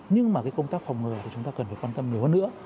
nhưng mà công tác phòng ngừa thì chúng ta cần phải quan tâm nhiều hơn nữa